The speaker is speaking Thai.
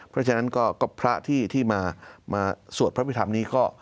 เพราะฉะนั้นก็พระที่มาสวดพระพิธรรมนี้ก็